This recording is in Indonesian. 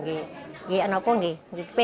ini anakku ini pikir sih pak